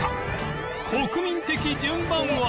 国民的順番は？